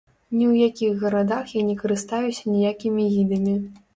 Ні ў якіх гарадах я не карыстаюся ніякімі гідамі.